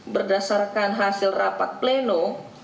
berdasarkan hasil rapat pleno